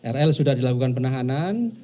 rl sudah dilakukan penahanan